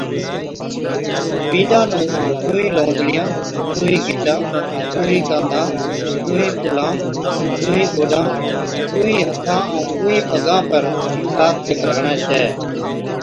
بِينڏا نُون ڏونھِين لوندڙِيان، ڏونھِين گِٽان، ڏونھِين ڪانڌان، ڏونھِين ڪُلھان، ڏونھِين گوڏان، ڏونھِين ھٿان ائُون ڏونھِين پَگان پر سات چڪر ھَڻي ڇَي